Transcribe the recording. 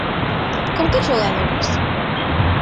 Con que xogadores?